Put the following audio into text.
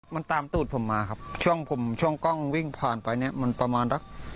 มันตามตูดผมมาครับช่วงผมช่วงกล้องวิ่งผ่านไปเนี่ยมันประมาณสัก